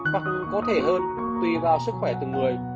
hoặc có thể hơn tùy vào sức khỏe từng người